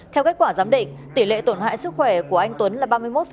theo kết quả giám định tỷ lệ tổn hại sức khỏe của anh tuấn là ba mươi một